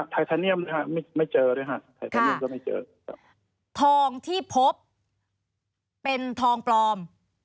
ทีนี้ก็ไม่เจอทองที่พบเป็นทองปลอม